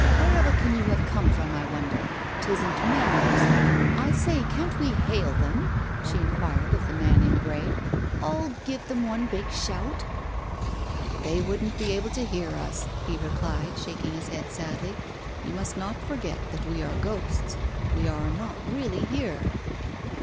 Wherever can you have come from, I wonder? 'Tisn't manners. ... I say, can't we hail them? " she inquired of the man in grey. "All give them one big shout?" "They wouldn't be able to hear us," he replied, shaking his head sadly. " You must not forget that we are ghosts. We are not really here."